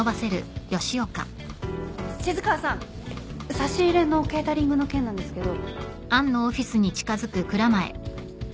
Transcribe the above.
差し入れのケータリングの件なんですけど。